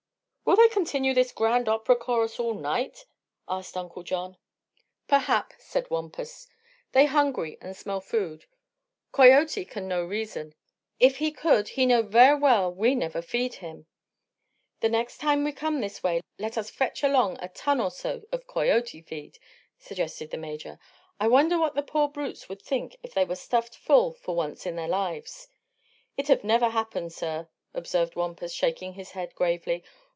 "Will they continue this Grand Opera chorus all night?" asked Uncle John. "Perhap," said Wampus. "They hungry, an' smell food. Coyote can no reason. If he could, he know ver' well we never feed him." "The next time we come this way let us fetch along a ton or so of coyote feed," suggested the Major. "I wonder what the poor brutes would think if they were stuffed full for once in their lives?" "It have never happen, sir," observed Wampus, shaking his head gravely.